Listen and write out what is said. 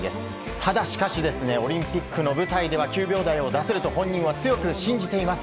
ただしかしオリンピックの舞台では９秒台を出せると本人は強く信じています。